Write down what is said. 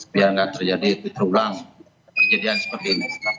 biar nggak terjadi terulang kejadian seperti ini